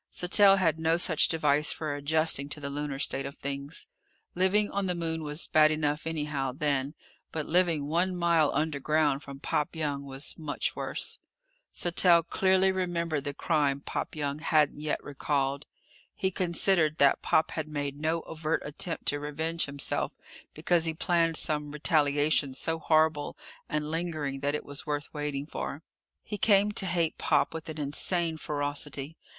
Sattell had no such device for adjusting to the lunar state of things. Living on the Moon was bad enough anyhow, then, but living one mile underground from Pop Young was much worse. Sattell clearly remembered the crime Pop Young hadn't yet recalled. He considered that Pop had made no overt attempt to revenge himself because he planned some retaliation so horrible and lingering that it was worth waiting for. He came to hate Pop with an insane ferocity.